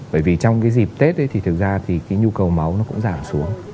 bởi vì trong cái dịp tết thì thực ra thì cái nhu cầu máu nó cũng giảm xuống